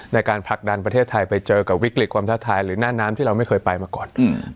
ในการผลักดันประเทศไทยไปเจอกับวิกฤตความท้าทายหรือหน้าน้ำที่เราไม่เคยไปมาก่อน